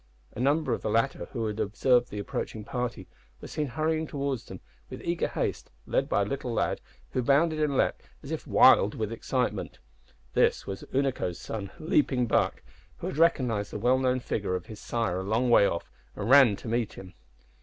A number of the latter who had observed the approaching party were seen hurrying towards them with eager haste, led by a little lad, who bounded and leaped as if wild with excitement. This was Unaco's little son, Leaping Buck, who had recognised the well known figure of his sire a long way off, and ran to meet him.